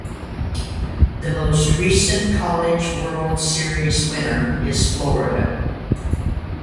The most recent College World Series winner is Florida.